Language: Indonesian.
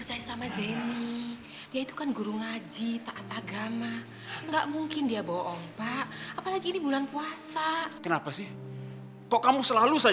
silahkan duduk lagi